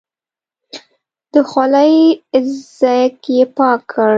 د خولې ځګ يې پاک کړ.